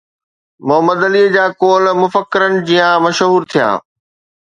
محمد عليءَ جا قول مفڪرن جيان مشهور ٿيا